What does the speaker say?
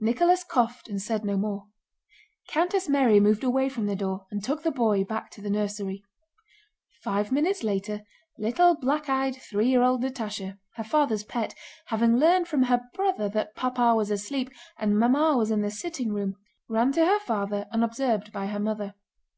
Nicholas coughed and said no more. Countess Mary moved away from the door and took the boy back to the nursery. Five minutes later little black eyed three year old Natásha, her father's pet, having learned from her brother that Papa was asleep and Mamma was in the sitting room, ran to her father unobserved by her mother.